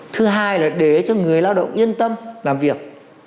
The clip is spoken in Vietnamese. thứ hai là để cho người lao động yên tâm làm việc